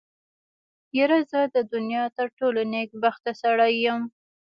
يره زه د دونيا تر ټولو نېکبخته سړی يم.